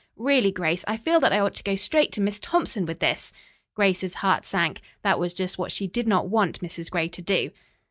"Really, Grace, I feel that I ought to go straight to Miss Thompson with this." Grace's heart sank. That was just what she did not want Mrs. Gray to do.